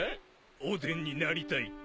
おでんになりたいって